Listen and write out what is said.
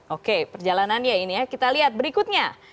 oke perjalanannya ini ya kita lihat berikutnya